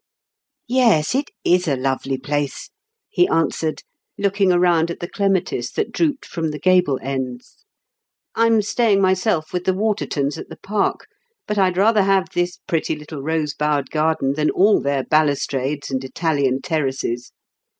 "Yes, it is a lovely place," he answered, looking around at the clematis that drooped from the gable ends. "I'm staying myself with the Watertons at the Park, but I'd rather have this pretty little rose bowered garden than all their balustrades and Italian terraces.